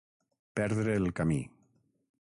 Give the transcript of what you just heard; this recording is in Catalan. Perdre el camí.